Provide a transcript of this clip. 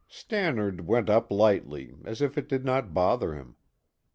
Stannard went up lightly, as if it did not bother him.